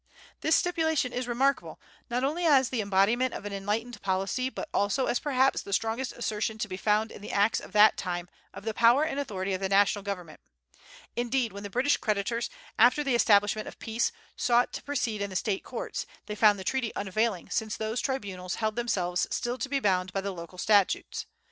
This stipulation is remarkable, not only as the embodiment of an enlightened policy, but also as perhaps the strongest assertion to be found in the acts of that time of the power and authority of the national government. Indeed, when the British creditors, after the establishment of peace, sought to proceed in the State courts, they found the treaty unavailing, since those tribunals held themselves still to be bound by the local statutes.